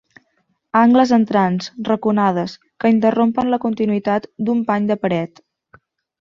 Angles entrants, raconades, que interrompen la continuïtat d'un pany de paret.